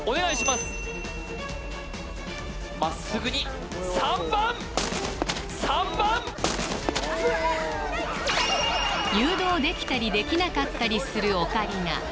まっすぐに３番３番誘導できたりできなかったりするオカリナ